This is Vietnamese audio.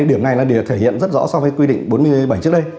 điểm này thể hiện rất rõ so với quy định bốn mươi bảy trước đây